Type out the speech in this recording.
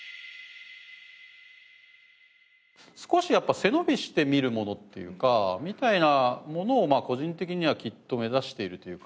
少しやっぱ背伸びして見るものっていうかみたいなものを個人的にはきっと目指しているというか。